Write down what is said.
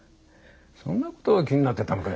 そんなことが気になってたのかい。